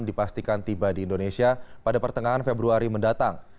dipastikan tiba di indonesia pada pertengahan februari mendatang